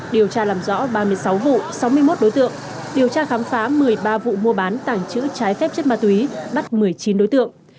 điều tra làm rõ ba mươi sáu vụ sáu mươi một đối tượng điều tra khám phá một mươi ba vụ mua bán tàng trữ trái phép chất ma túy bắt một mươi chín đối tượng